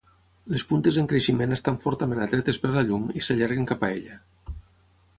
Les puntes en creixement estan fortament atretes per la llum i s'allarguen cap ella.